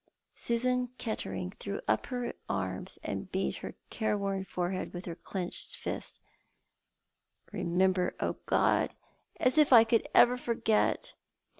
Susan Kettering threw up her arms and beat her careworn forehead with her clenched fists. " Eomember, oh, God, as if I could ever forget.